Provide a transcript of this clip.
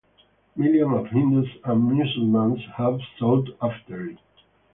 Millions of Hindus and Mussalmans have sought after it.